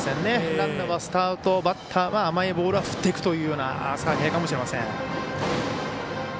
ランナーはスタートバッターは甘いボールは振っていくというような采配かもしれません。